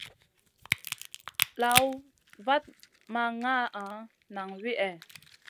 Lawna vat ma nʼgaana nang wihè.